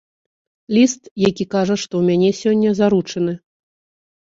Ліст, які кажа, што ў мяне сягоння заручыны.